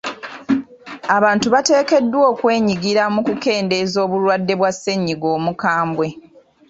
Abantu bateekeddwa okwenyigira mu kukendeeza obulwadde bwa ssennyiga omukambwe.